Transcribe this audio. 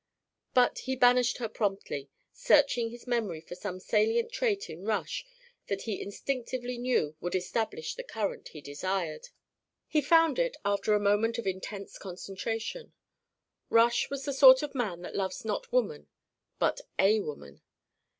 But he banished her promptly, searching his memory for some salient trait in Rush that he instinctively knew would establish the current he desired. He found it after a moment of intense concentration. Rush was the sort of man that loves not woman but a woman.